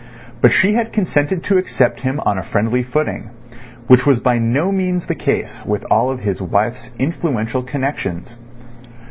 But she had consented to accept him on a friendly footing, which was by no means the case with all of his wife's influential connections.